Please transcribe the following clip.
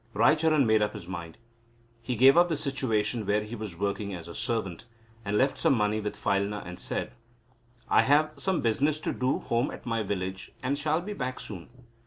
Raicharan made up his mind. He gave up the situation where he was working as a servant, and left some money with Phailna and said: "I have some business to do at home in my village, and shall be back soon."